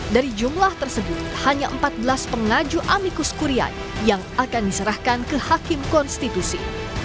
dari jumlah tersebut hanya empat belas pengaju amikus kuria yang akan diserahkan ke hakim konstitusi